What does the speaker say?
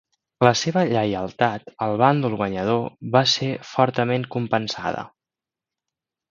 La seva lleialtat al bàndol guanyador va ser fortament compensada.